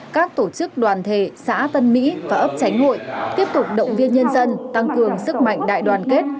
các tổ chức đoàn thể xã tân mỹ và ấp chánh hội tiếp tục động viên nhân dân tăng cường sức mạnh đại đoàn kết